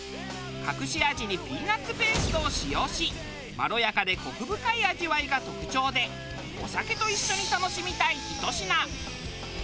隠し味にピーナッツペーストを使用しまろやかでコク深い味わいが特徴でお酒と一緒に楽しみたいひと品。